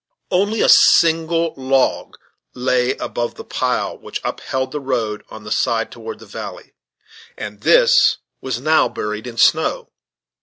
Only a single log lay above the pile which upheld the road on the side toward the valley, and this was now buried in the snow.